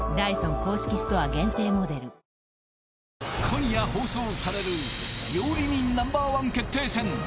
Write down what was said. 今夜放送される料理人Ｎｏ．１決定戦